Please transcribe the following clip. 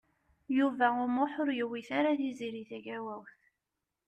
Yuba U Muḥ ur yewwit ara Tiziri Tagawawt.